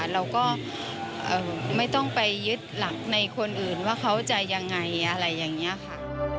เราก็ไม่ต้องไปยึดหลักในคนอื่นว่าเขาจะยังไงอะไรอย่างนี้ค่ะ